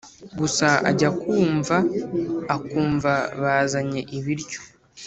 gusa ajya kumva akumva bazanye ibiryo